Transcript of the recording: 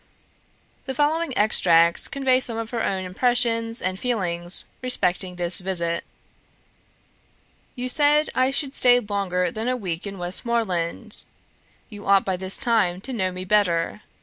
The following extracts convey some of her own impressions and feelings respecting this visit: "You said I should stay longer than a week in Westmoreland; you ought by this time to know me better.